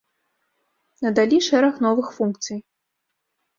Надалі шэраг новых функцый.